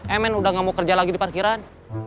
emen udah gak mau kerja lagi di parkiran